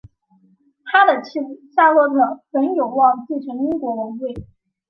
他的妻子夏洛特本有望继承英国王位。